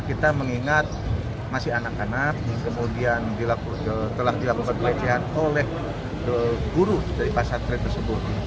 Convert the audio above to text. kita mengingat masih anak anak kemudian telah dilakukan pelecehan oleh guru dari pasar trade tersebut